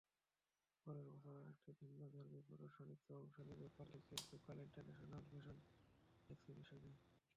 পরের বছর আরেকটি ভিন্নধর্মী প্রদর্শনীতে অংশ নিই বার্লিনের লোকাল ইন্টারন্যাশনাল ফ্যাশন এক্সিবিশনে।